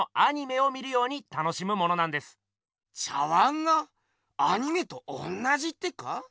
茶碗がアニメとおんなじってか？